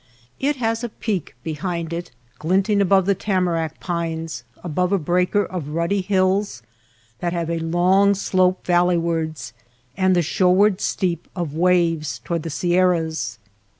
It has a peak behind it, glinting above the tamarack pines, above a breaker of ruddy hills that have a long slope valley wards and the shoreward steep of waves toward the Sierras.